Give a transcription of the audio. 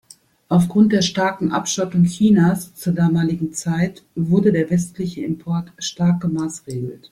Aufgrund der starken Abschottung Chinas zur damaligen Zeit, wurde der westliche Import stark gemaßregelt.